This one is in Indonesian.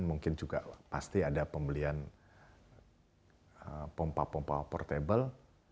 mungkin juga pasti ada pembelian pompa pompa portable